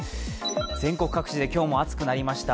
全国各地で今日も暑くなりました。